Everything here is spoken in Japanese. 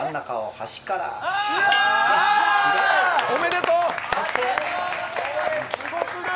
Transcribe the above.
おめでとう！